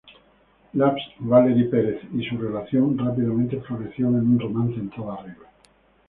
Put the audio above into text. Labs, Valerie Perez, y su relación rápidamente floreció en un romance en toda regla.